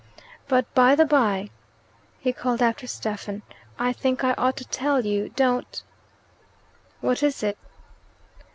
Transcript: "But, by the bye," he called after Stephen, "I think I ought to tell you don't " "What is it?"